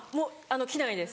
着ないです。